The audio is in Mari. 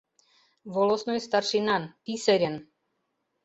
волостной старшинан, писарьын